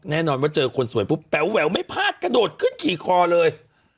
แน่นอนว่าเจอคนสวยปุ๊บแป๋วไม่พลาดกระโดดขึ้นขี่คอเลย